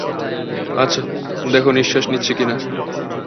আচ্ছা, দেখো নিশ্বাস নিচ্ছে কিনা।